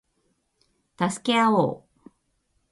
助け合おう